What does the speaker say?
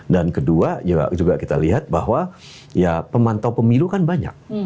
kedua juga kita lihat bahwa ya pemantau pemilu kan banyak